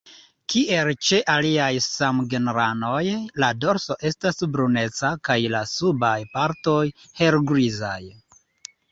Kiel ĉe aliaj samgenranoj la dorso estas bruneca kaj la subaj partoj helgrizaj.